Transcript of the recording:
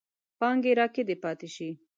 پانګې راکدې پاتې شي.